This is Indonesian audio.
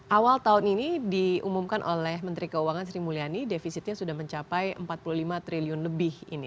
awal tahun ini diumumkan oleh menteri keuangan sri mulyani defisitnya sudah mencapai empat puluh lima triliun lebih ini